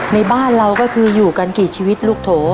ในบ้านเราก็คืออยู่กันกี่ชีวิตลูกโถ